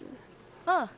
ああ。